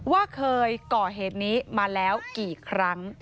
ว่าเคยก่อเหตุนี้มาแล้วกี่ครั้ง